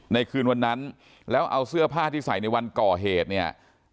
ในคืนวันนั้นแล้วเอาเสื้อผ้าที่ใส่ในวันก่อเหตุเนี่ย